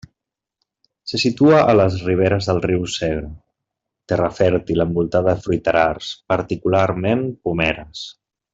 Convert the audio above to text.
Se situa a les riberes del riu Segre, terra fèrtil envoltada de fruiterars, particularment pomeres.